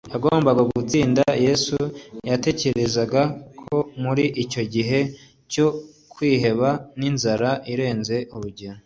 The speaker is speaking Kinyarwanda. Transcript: Yagombaga gutsinda Yesu. Yatekerezaga ko muri icyo gihe cyo kwiheba n'inzara irenze urugero,